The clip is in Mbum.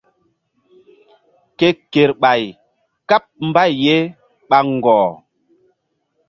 Ke kerɓay káɓ mbay ye ɓa ŋgɔh.